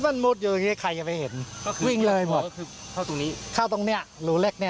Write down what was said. อันนี้ผู้หญิงบอกว่าช่วยด้วยหนูไม่ได้เป็นอะไรกันเขาจะปั้มหนูอะไรอย่างนี้